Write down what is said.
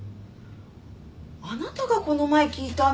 あなたがこの前聞いたんでしょ。